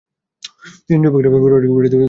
তিনি নীরব হয়ে গেলেন ঘোড়াটি শান্ত হয়ে গেল।